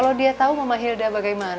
kalau dia tahu mama hilda bagaimana